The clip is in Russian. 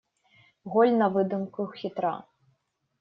Голь на выдумку хитра.